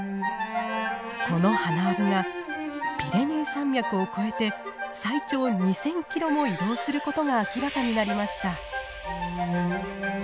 このハナアブがピレネー山脈を越えて最長２，０００キロも移動することが明らかになりました。